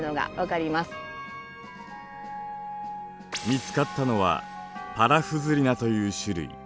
見つかったのはパラフズリナという種類。